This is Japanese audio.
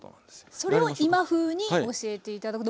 それを今風に教えて頂くと。